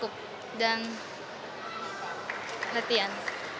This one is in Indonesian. cukup dan perhatian